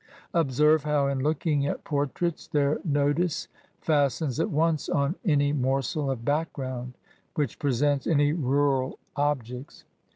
Observe how, in looking at portraits, their notice fastens at once on any morsel of back ground which presents any rural objects.